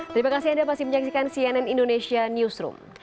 terima kasih anda masih menyaksikan cnn indonesia newsroom